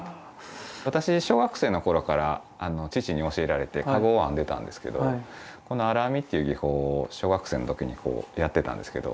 私小学生の頃から父に教えられて籠を編んでたんですけどこの荒編みっていう技法を小学生の時にやってたんですけど。